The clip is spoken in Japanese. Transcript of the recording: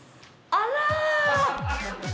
あら！